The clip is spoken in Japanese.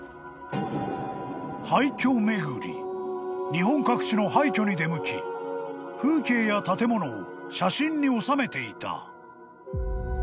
［日本各地の廃墟に出向き風景や建物を写真に収めていた］